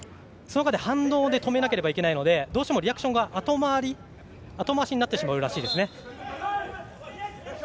反動で止めなければいけないのでどうしてもリアクションが後回しになるらしいです。